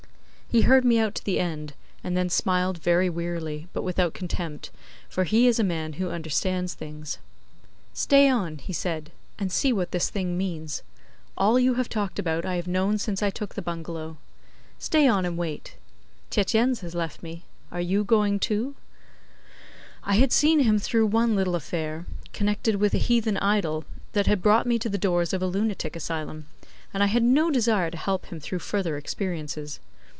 He heard me out to the end, and then smiled very wearily, but without contempt, for he is a man who understands things. 'Stay on,' he said, 'and see what this thing means. All you have talked about I have known since I took the bungalow. Stay on and wait. Tietjens has left me. Are you going too?' I had seen him through one little affair, connected with a heathen idol, that had brought me to the doors of a lunatic asylum, and I had no desire to help him through further experiences.